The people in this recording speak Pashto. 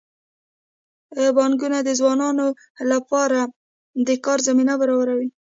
بانکونه د ځوانانو لپاره د کار زمینه برابروي.